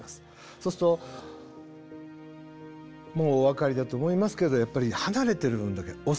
そうするともうお分かりだと思いますけれどやっぱり離れてる分だけ遅いんですね。